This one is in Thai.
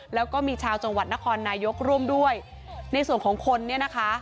แล้วก็มีชาวจังหวัดนครนายกร่วมด้วยในส่วนของคนเนี่ยนะคะ